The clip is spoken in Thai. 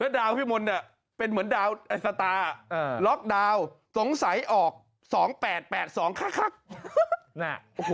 แล้วดาวน์พี่มนศิษย์เป็นเหมือนดาวน์ไอศตาร์